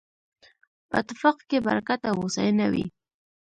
په اتفاق کې برکت او هوساينه وي